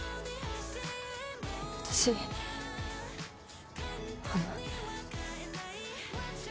私あの。